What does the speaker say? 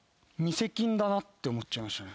だなって思っちゃいましたね。